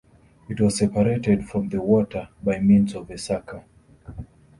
It was separated from the water by means of a sucker.